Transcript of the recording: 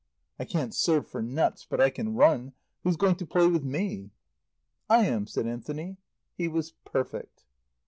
"I can't serve for nuts, but I can run. Who's going to play with me?" "I am," said Anthony. He was perfect.